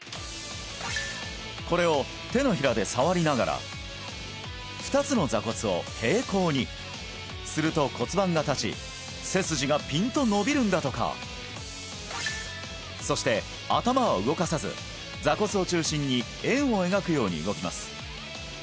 これを手のひらで触りながら２つの坐骨を平行にすると骨盤が立ち背筋がピンと伸びるんだとかそして頭は動かさず坐骨を中心に円を描くように動きます